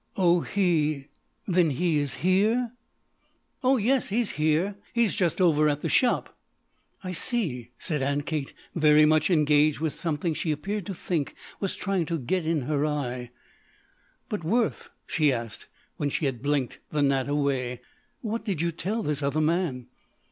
"Oh, he then he is here?" "Oh yes, he's here. He's just over at the shop." "I see," said Aunt Kate, very much engaged with something she appeared to think was trying to get in her eye. "But, Worth," she asked, when she had blinked the gnat away, "what did you tell this other man?"